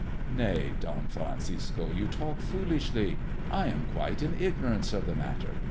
" Nay, Don Francisco, you talk foolishly. I am quite in ignorance of the matter.